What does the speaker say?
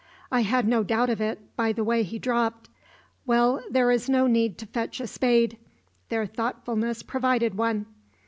"I had no doubt of it, by the way he dropped. Well, there is no need to fetch a spade. Their thoughtfulness provided one.